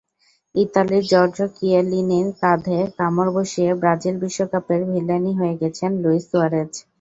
ইতালির জর্জো কিয়েলিনির কাঁধে কামড় বসিয়ে ব্রাজিল বিশ্বকাপের ভিলেনই হয়ে গেছেন লুইস সুয়ারেজ।